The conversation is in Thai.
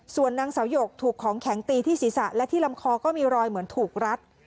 ส่วนนางสาวหยกถูกของแข็งตีที่ศีรษะและที่ลำคอก็มีรอยเหมือนถูกรัด